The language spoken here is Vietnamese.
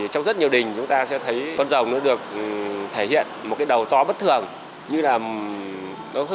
trong rất nhiều đình chúng ta sẽ thấy con rồng nó được thể hiện một cái đầu to bất thường như là nó